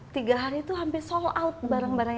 tiga hari itu hampir sold out barang barang